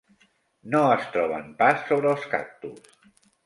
No es troben pas sobre els cactus.